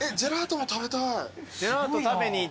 ジェラートも食べたい。